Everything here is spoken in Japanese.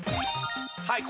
はい